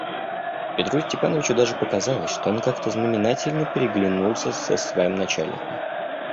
Петру Степановичу даже показалось, что он как-то знаменательно переглянулся с своим начальником.